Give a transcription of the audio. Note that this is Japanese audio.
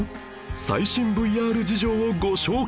最新 ＶＲ 事情をご紹介